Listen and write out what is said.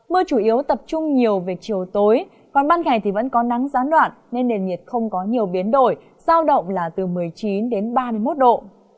mưa chủ yếu tập trung nhiều về chiều tối còn ban ngày thì vẫn có nắng gián đoạn nên nền nhiệt không có nhiều biến đổi giao động là từ một mươi chín đến ba mươi một độ